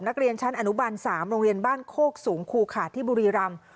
นักเรียนชั้นอนุบัน๓โรงเรียนบ้านโคกสูงคูขาดที่บุรีรำ